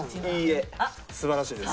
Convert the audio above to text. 素晴らしいです。